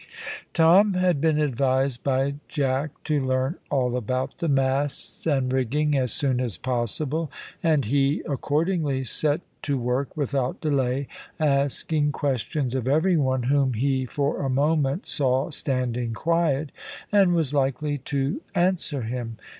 Tom had been advised by Jack to learn all about the masts and rigging as soon as possible, and he accordingly set to work without delay, asking questions of every one whom he for a moment saw standing quiet, and was likely to answer him.